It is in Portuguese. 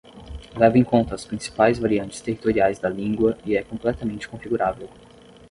Leva em conta as principais variantes territoriais da língua e é completamente configurável.